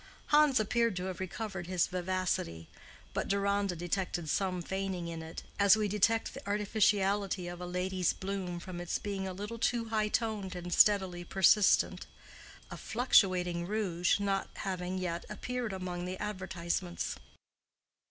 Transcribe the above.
Hans appeared to have recovered his vivacity, but Deronda detected some feigning in it, as we detect the artificiality of a lady's bloom from its being a little too high toned and steadily persistent (a "Fluctuating Rouge" not having yet appeared among the advertisements).